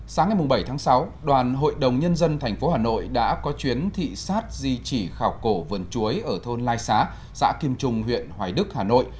sáng ngày bảy tháng sáu đoàn hội đồng nhân dân tp hà nội đã có chuyến thị sát di chỉ khảo cổ vườn chuối ở thôn lai xá xã kim trung huyện hoài đức hà nội